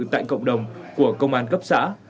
tại cộng đồng của công an cấp xã